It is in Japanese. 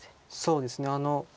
そうですね。